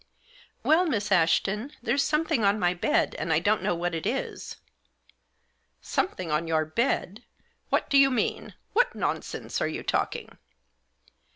Well, Miss Ashton, there's something on my bed, and I don't know what it is." " Something on your bed ? What do you mean ? What nonsense are you talking